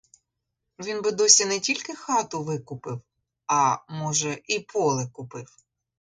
Він би досі не тільки хату викупив, а, може, і поле купив.